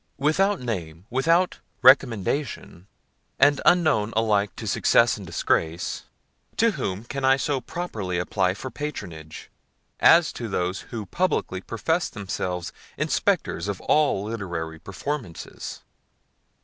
Without name, without recommendation, and unknown alike to success and disgrace, to whom can I so properly apply for patronage, as to those who publicly profess themselves Inspectors of all literary performances?